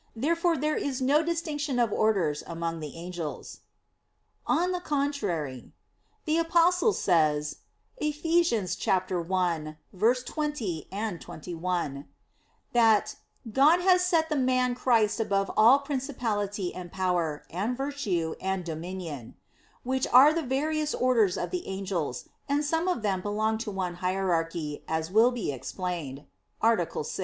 Therefore there is no distinction of orders among the angels. On the contrary, The Apostle says (Eph. 1:20,21) that "God has set the Man Christ above all principality and power, and virtue, and dominion": which are the various orders of the angels, and some of them belong to one hierarchy, as will be explained (A. 6).